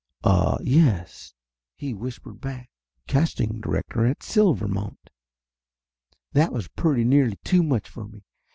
"Ah yes!" he whispered back. "Casting director with Silvermount." That was pretty nearly too much for me.